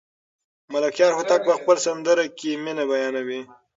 ملکیار هوتک په خپله سندره کې مینه بیانوي.